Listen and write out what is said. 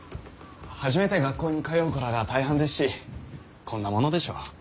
初めて学校に通う子らが大半ですしこんなものでしょう。